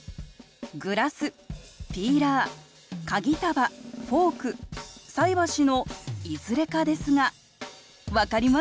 グラスピーラー鍵束フォーク菜箸のいずれかですが分かりますか？